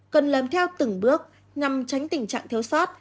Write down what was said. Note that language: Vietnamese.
cần làm theo từng bước nhằm tránh tình trạng thiếu sót